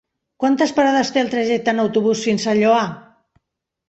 Quantes parades té el trajecte en autobús fins al Lloar?